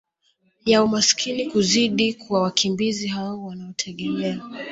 ya umaskini kuzidi kwa wakimbizi hao wanaotegemea